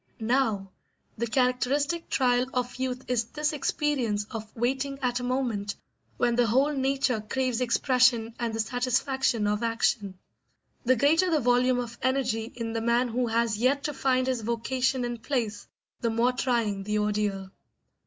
Now, the characteristic trial of youth is this experience of waiting at a moment when the whole nature craves expression and the satisfaction of action. The greater the volume of energy in the man who has yet to find his vocation and place, the more trying the ordeal.